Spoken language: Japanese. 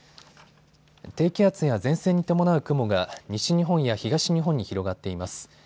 低気圧や前線に伴う雲が西日本や東日本に広がっています。